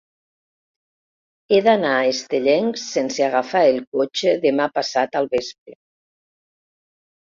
He d'anar a Estellencs sense agafar el cotxe demà passat al vespre.